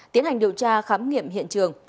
tiến hành điều tra khám nghiệm hiện trường